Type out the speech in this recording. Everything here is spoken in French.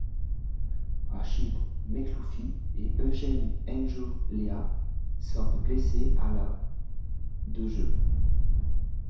Rachid Mekloufi et Eugène N’Jo Léa sortent blessés à la de jeu.